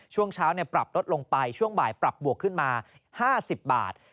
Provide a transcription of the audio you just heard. ช่วงเช้าปรับลดลงไปช่วงบ่ายปรับบวกขึ้นมา๕๐บาท